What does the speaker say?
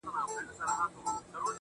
o څوک ده چي راګوري دا و چاته مخامخ يمه.